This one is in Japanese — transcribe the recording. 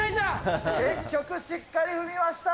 結局、しっかり踏みました。